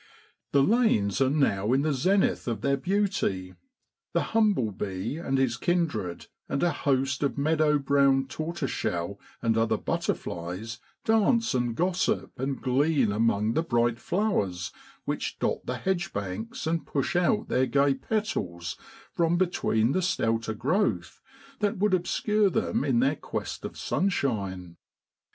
The lanes are now in the zenith of their beauty the humble bee and his kindred, and a host of meadow brown, tortoise shell, and other butterflies dance and gossip and glean among the bright flowers which dot the hedgebanks and push out their gay petals from between the stouter growth that would obscure them in their quest of sunshine.